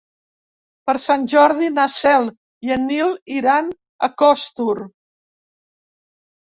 Per Sant Jordi na Cel i en Nil iran a Costur.